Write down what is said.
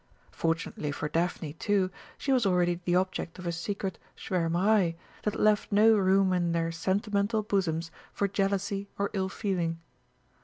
Fortunately for Daphne, too, she was already the object of a secret schwärmerei that left no room in their sentimental bosoms for jealousy or ill feeling.